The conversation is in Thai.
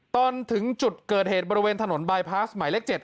ตอนถึงจุดเกิดเหตุบริเวณถนนบายพาสหมายเลข๗